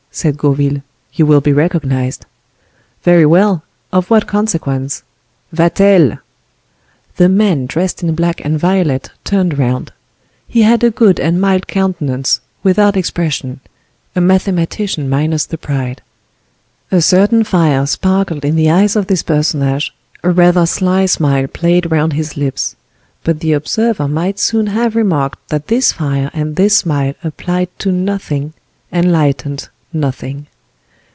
said Gourville, "you will be recognized." "Very well! Of what consequence?—Vatel!" The man dressed in black and violet turned round. He had a good and mild countenance, without expression—a mathematician minus the pride. A certain fire sparkled in the eyes of this personage, a rather sly smile played round his lips; but the observer might soon have remarked that this fire and this smile applied to nothing, enlightened nothing.